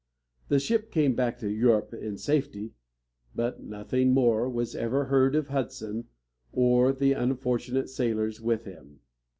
The ship came back to Europe in safety, but nothing more was ever heard of Hudson or the unfortunate sailors with him.